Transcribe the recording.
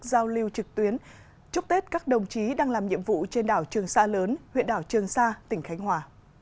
giao lưu trực tuyến chúc tết các đồng chí đang làm nhiệm vụ trên đảo trường sa lớn huyện đảo trường sa tỉnh khánh hòa